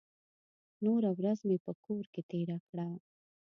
نوره ورځ مې په کور کې تېره کړه.